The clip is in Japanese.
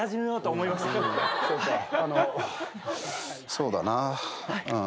そうだなうん。